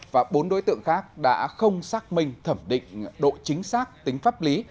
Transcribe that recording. và bốn đối tượng khác đã không xác minh thẩm định độ chính xác tính pháp lý